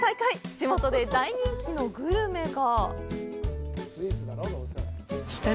地元で大人気のグルメが。